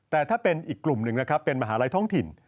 แต่ถ้าเป็นอีกกลุ่มหนึ่งนะครับเป็นมหาลัยท้องถิ่น